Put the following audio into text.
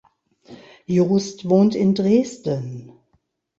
Jost wohnt in Dresden.